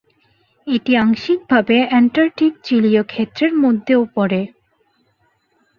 এটি আংশিকভাবে অ্যান্টার্কটিক চিলীয় ক্ষেত্রের মধ্যেও পড়ে।